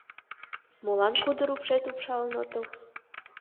Молан кудыр упшет упшалын отыл?